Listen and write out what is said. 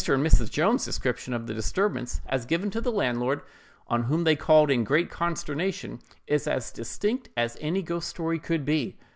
and Mrs. Jones's description of the disturbance as given to the landlord, on whom they called in great consternation, is as distinct as any ghost story could be.